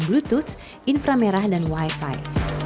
di dalamnya ada perangkat penghubungan bluetooth infra merah dan wi fi